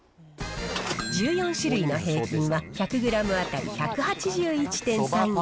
１４種類の平均は１００グラム当たり１８１．３円。